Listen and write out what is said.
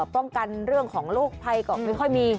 ป้องกันเรื่องของโรคภัยก็ไม่ค่อยมี